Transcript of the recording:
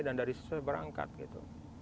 dan dari situ saya berangkat gitu